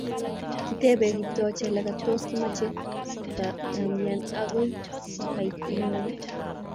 kiteebe Kiptoo Jelagat tos kimochei kotambian akoi kaitanyin